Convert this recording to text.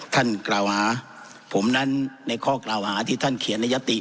ท่านกล่าวหาผมนั้นในข้อกล่าวหาที่ท่านเขียนในยติ